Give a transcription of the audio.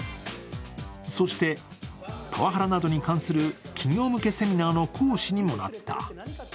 そしてパワハラなどに関する企業向けのセミナーの講師にもなった。